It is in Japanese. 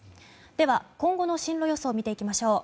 では今後の進路予想を見ていきましょう。